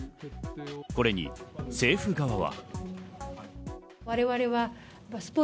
これに政府側は。